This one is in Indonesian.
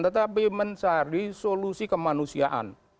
tetapi mencari solusi kemanusiaan